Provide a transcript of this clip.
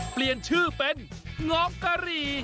เปลี่ยนชื่อเป็นง๊อกรี